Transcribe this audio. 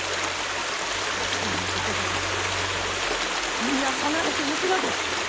そんなことだから皆離れていくのです！